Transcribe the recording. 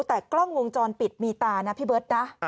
แต่กล้องวงจรปิดมีตานะพี่เบิร์ตนะ